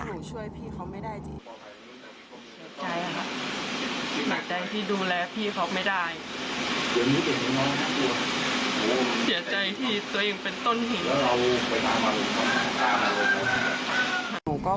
เสียใจที่ดูแลพี่เขาไม่ได้เสียใจที่ตัวอย่างเป็นต้นหิน